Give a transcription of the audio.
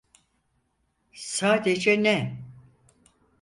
Sadece ne?